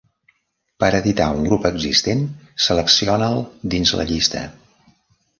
Per editar un grup existent, selecciona'l dins la llista.